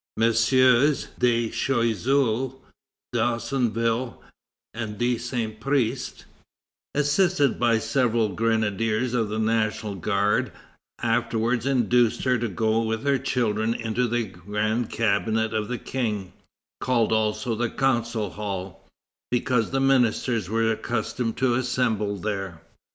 MM. de Choiseul, d'Haussonville, and de Saint Priest, assisted by several grenadiers of the National Guard, afterwards induced her to go with her children into the Grand Cabinet of the King, called also the Council Hall, because the ministers were accustomed to assemble there.